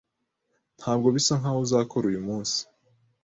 Ntabwo bisa nkaho uzakora uyu munsi.